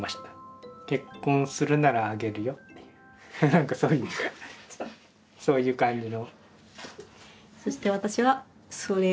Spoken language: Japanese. なんかそういうそういう感じの。